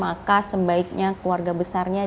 maka sebaiknya keluarga besarnya